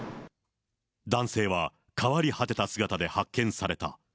男性は変わり果てた姿で発見された。